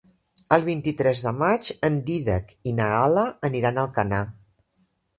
El vint-i-tres de maig en Dídac i na Gal·la aniran a Alcanar.